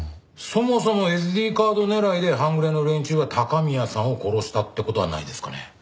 そもそもＳＤカード狙いで半グレの連中が高宮さんを殺したって事はないですかね？